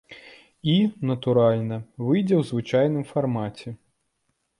І, натуральна, выйдзе ў звычайным фармаце.